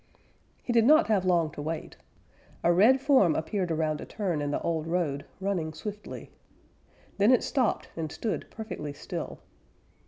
He did not have long to wait. A red form appeared around a turn in the old road, running swiftly. Then it stopped and stood perfectly still.